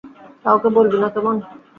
কাউকে বলবি না, কেমন?